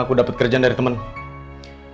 kamu inget gak waktu malam itu yang aku bilang